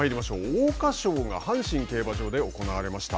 桜花賞が阪神競馬場で行われました。